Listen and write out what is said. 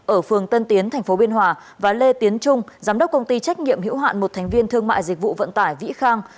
ở phường tân tiến tp biên hòa và lê tiến trung giám đốc công ty trách nhiệm hữu hạn một thành viên thương mại dịch vụ vận tải vĩ khang